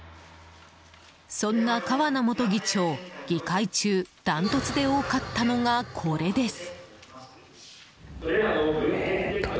そんな川名元議長議会中、ダントツで多かったのがこれです。